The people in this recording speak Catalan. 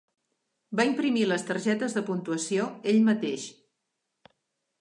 Va imprimir les targetes de puntuació ell mateix.